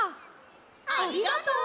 ありがとう！